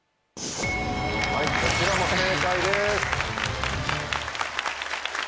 はいこちらも正解です。